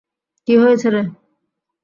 কী হয়েছে রে?